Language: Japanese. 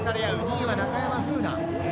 ２位は中山楓奈。